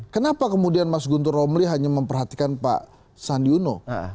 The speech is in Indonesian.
kenapa kemudian mas guntur romli hanya memperhatikan pak sandiuno